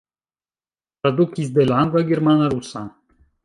Tradukis de la angla, germana, rusa.